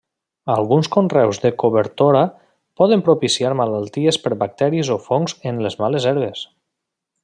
Alguns conreus de cobertora poden propiciar malalties per bacteris o fongs en les males herbes.